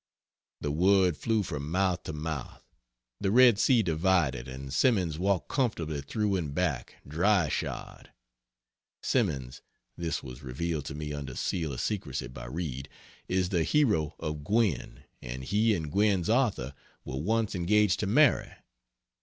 The word flew from mouth to mouth, the Red Sea divided, and Simmons walked comfortably through and back, dry shod. Simmons (this was revealed to me under seal of secrecy by Reid) is the hero of "Gwen," and he and Gwen's author were once engaged to marry.